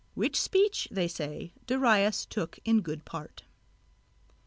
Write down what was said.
Which speech, they say, Dareios took in good part.